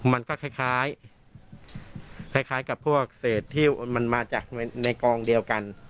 มันก็คล้ายกับพวกเศษที่มันมาจากในกองเดียวกัน